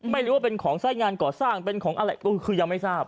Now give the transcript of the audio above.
ไม่รู้ว่าเป็นของสายงานก่อสร้างเป็นของอะไรก็คือยังไม่ทราบ